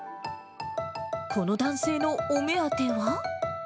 この男性のお目当ては？